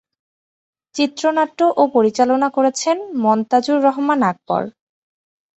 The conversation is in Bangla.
চিত্রনাট্য ও পরিচালনা করেছেন মনতাজুর রহমান আকবর।